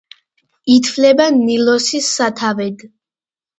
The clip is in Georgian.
ითვლება ნილოსის სათავედ.